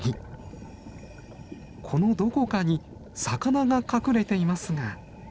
このどこかに魚が隠れていますが。